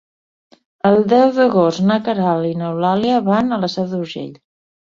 El deu d'agost na Queralt i n'Eulàlia van a la Seu d'Urgell.